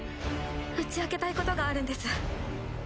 打ち明けたいことがあるんです。